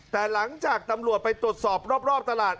แต่หลังจากตำรวจไปตรวจสอบรอบตลาด